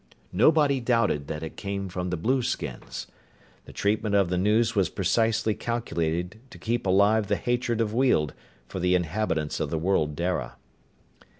Nobody doubted that it came from blueskins. The treatment of the news was precisely calculated to keep alive the hatred of Weald for the inhabitants of the world Dara.